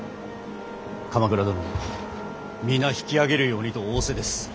鎌倉殿も皆引き揚げるようにと仰せです。